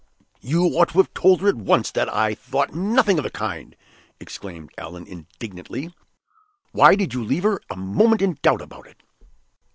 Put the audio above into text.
'" "You ought to have told her at once that I thought nothing of the kind!" exclaimed Allan, indignantly. "Why did you leave her a moment in doubt about it?"